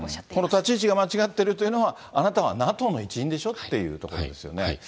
この立ち位置が間違っているというのは、あなたはＮＡＴＯの一員でしょっていうところですよね。